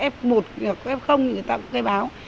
f một f người ta cũng khai báo